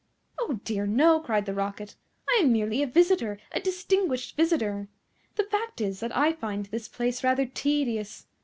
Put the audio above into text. "Oh! dear no," cried the Rocket. "I am merely a visitor, a distinguished visitor. The fact is that I find this place rather tedious.